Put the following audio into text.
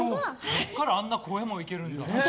そこからあんな声もいけるんだ。